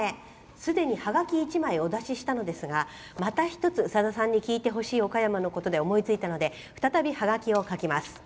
すでにはがき１枚お出ししたのですがまた１つさださんに聞いてほしい岡山のことで思いついたので再びはがきを書きます。